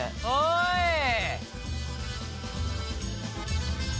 おい！